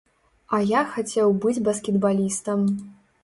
А я хацеў быць баскетбалістам.